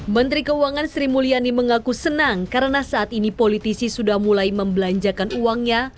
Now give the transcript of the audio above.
menteri keuangan sri mulyani mengaku senang karena saat ini politisi sudah mulai membelanjakan uangnya